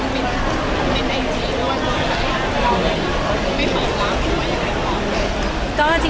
รอไม่เปิดรัมต่ออย่างไร